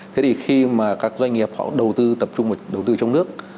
thế thì khi mà các doanh nghiệp họ đầu tư tập trung vào đầu tư trong nước